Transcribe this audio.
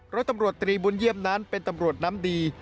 ร้อยตำรวจตรีบุญเยี่ยมนั้นเป็นตำรวจน้ำดี